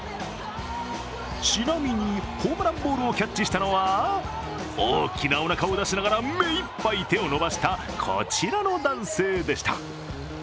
ちなみに、ホームランボールをキャッチしたのは大きなおなかを出しながら目一杯手を伸ばしたこちらの男性でした。